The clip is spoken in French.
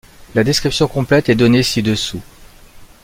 La description complète est donné ci-dessous.